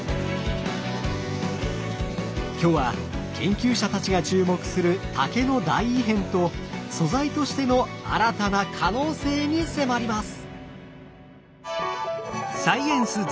今日は研究者たちが注目する竹の大異変と素材としての新たな可能性に迫ります！